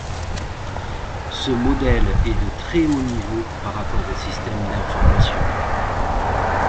Ce modèle est de très haut niveau par rapport au système d'information.